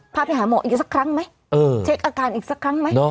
พาไปหาหมออีกสักครั้งไหมเช็คอาการอีกสักครั้งไหม